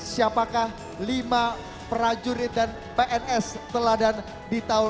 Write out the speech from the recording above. siapakah lima prajurit dan pns teladan di tahun dua ribu dua puluh